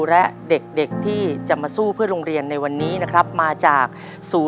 ในแคมเปญพิเศษเกมต่อชีวิตโรงเรียนของหนู